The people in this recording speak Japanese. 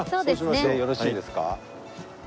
でよろしいですか？